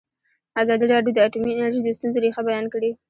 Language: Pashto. ازادي راډیو د اټومي انرژي د ستونزو رېښه بیان کړې.